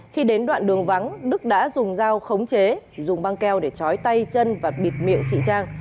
khi đến đoạn đường vắng đức đã dùng dao khống chế dùng băng keo để chói tay chân và bịt miệng chị trang